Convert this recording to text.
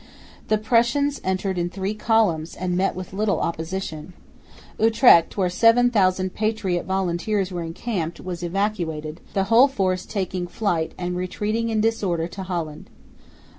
The Prussians entered in three columns and met with little opposition. Utrecht, where 7000 "patriot" volunteers were encamped, was evacuated, the whole force taking flight and retreating in disorder to Holland.